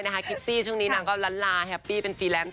ได้นะคะกริปซี่ช่วงนี้นางก็ล้านลาแฮปปี้เป็นฟรีแลนซ์